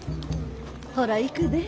ほら行くで。